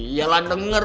ya lah denger